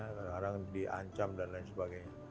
orang orang di ancam dan lain sebagainya